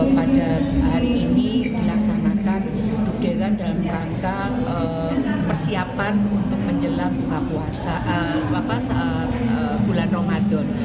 pada hari ini dilaksanakan dudelan dalam rangka persiapan untuk menjelang bulan ramadan